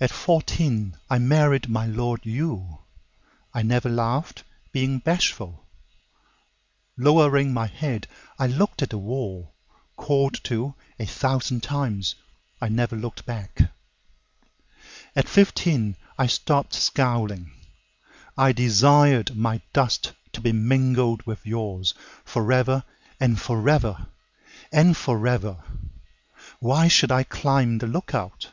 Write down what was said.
At fourteen I married My Lord you.I never laughed, being bashful. Lowering my head, I looked at the wall. Called to, a thousand times, I never looked back.At fifteen I stopped scowling,I desired my dust to be mingled with yoursForever and forever, and forever. Why should I climb the look out?